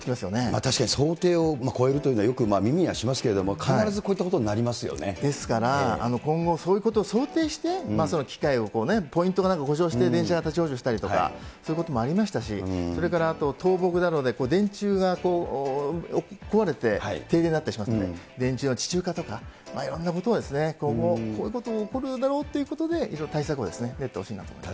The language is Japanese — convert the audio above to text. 確かに想定を超えるというのは、よく耳にはしますけれども、必ずこういったことになりますよですから、今後、そういうことを想定して、きかいを、ポイントかなんか故障して電車が立往生したりとか、そういうこともありましたし、それから倒木などで電柱が壊れて停電になったりしますので、電柱の地中化とか、いろんなことをね、今後、こういうことが起こるだろうということで、いろいろ対策をやってほしいなと思います。